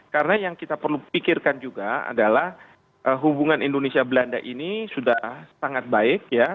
karena yang kita perlu pikirkan juga adalah hubungan indonesia belanda ini sudah sangat baik